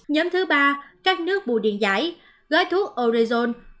nhóm thứ ba các nước bù điện giải gói thuốc orezon